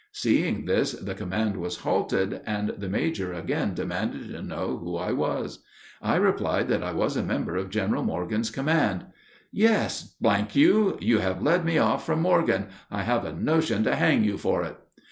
Seeing this, the command was halted, and the major again demanded to know who I was. I replied that I was a member of General Morgan's command. "Yes, you! You have led me off from Morgan; I have a notion to hang you for it."